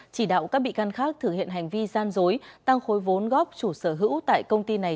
chỉ đạo các bị can khác thử hiện hành vi gian dối tăng khối vốn góp chủ sở hữu tại công ty này